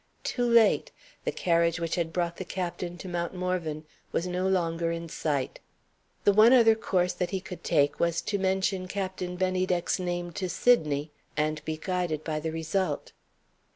Too late! The carriage which had brought the Captain to Mount Morven was no longer in sight. The one other course that he could take was to mention Captain Bennydeck's name to Sydney, and be guided by the result.